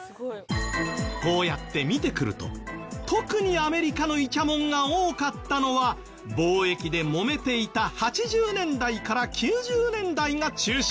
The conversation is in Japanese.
こうやって見てくると特にアメリカのイチャモンが多かったのは貿易でもめていた８０年代から９０年代が中心。